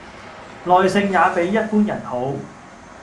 耐性也比一般人好